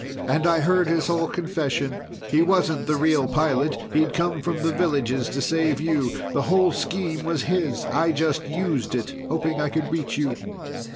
And I heard his whole confession. He wasn't the real pilot. He'd come from the villages to save you. The whole scheme was his. I just used it, hoping I could reach you."